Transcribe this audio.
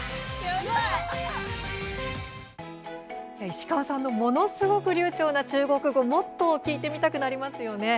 石川さんのものすごく流ちょうな中国語もっと聞いてみたくなりますよね。